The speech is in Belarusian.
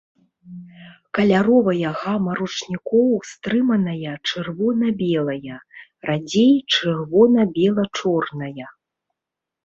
Каляровая гама ручнікоў стрыманая чырвона-белая, радзей чырвона-бела-чорная.